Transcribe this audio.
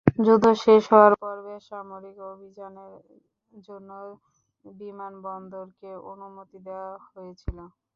যুদ্ধ শেষ হওয়ার পর বেসামরিক অভিযানের জন্য বিমানবন্দরকে অনুমতি দেওয়া হয়েছিল।